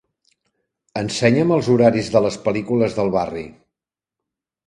Ensenya'm els horaris de les pel·lícules del barri.